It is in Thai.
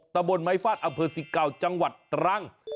ตะบนไมฟาสอำเภอ๑๙จังหวัดตรัง